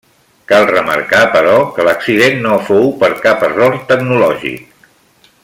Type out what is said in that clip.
Cal remarcar, però, que l'accident no fou per cap error tecnològic.